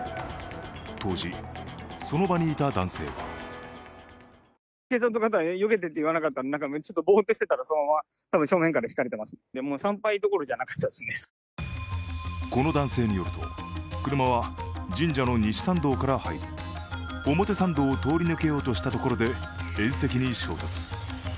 当時、その場にいた男性はこの男性によると車は神社の西参道から入り、表参道を通り抜けようとしたところで、縁石に衝突。